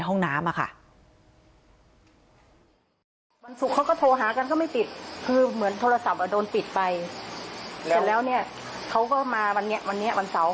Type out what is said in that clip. เสร็จแล้วเขาก็มาวันเนี้ยวันเนี้ยวันเสาร์